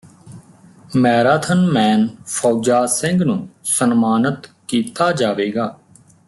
marathon man Fauja Singh ਨੂੰ ਸਨਮਾਨਤ ਕੀਤਾ ਜਾਵੇਗਾ